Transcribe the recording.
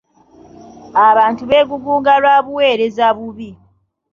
Abantu beegugunga lwa buweereza bubi.